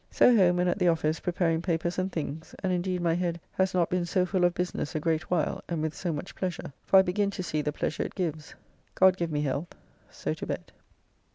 So home and at the office preparing papers and things, and indeed my head has not been so full of business a great while, and with so much pleasure, for I begin to see the pleasure it gives. God give me health. So to bed.